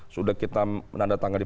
sudah kita menandatangani